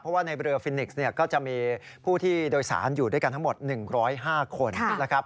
เพราะว่าในเรือฟินิกส์เนี่ยก็จะมีผู้ที่โดยสารอยู่ด้วยกันทั้งหมด๑๐๕คนนะครับ